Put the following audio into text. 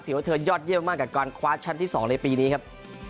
ถือว่าเธอยอดเยี่ยมมากกับการควาร์ดชั้นที่สองในปีนี้ครับ